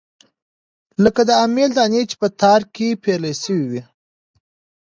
لکه د امېل دانې چې پۀ تار کښې پېرلے شوي وي